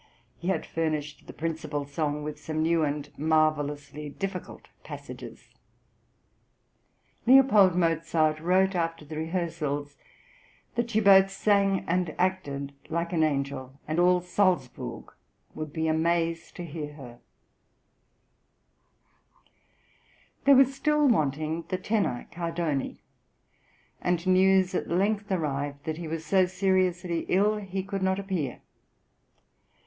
He had furnished the principal song with some new and marvellously difficult passages. L. Mozart wrote after the rehearsals, that she both sang and acted like an angel, and all Salzburg would be amazed to hear her. There was still wanting the tenor Cardoni, and news at length arrived that he was so seriously ill he could not appear.